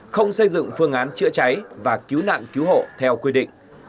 không xây dựng phương án chữa cháy và cứu nạn cứu hộ theo quy định